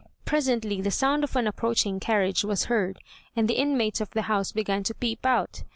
Presently the sound of an approaching carriage was heard, and the inmates of the house began to peep out.